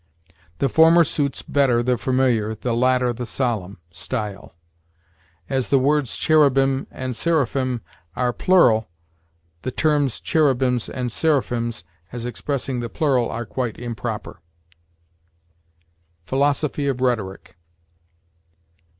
The former suits better the familiar, the latter the solemn, style. As the words cherubim and seraphim are plural, the terms cherubims and seraphims, as expressing the plural, are quite improper." "Philosophy of Rhetoric."